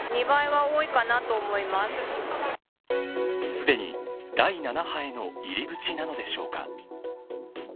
すでに第７波への入り口なのでしょうか。